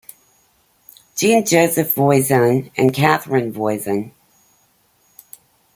Jean Joseph Voisin and Catherine Voisin.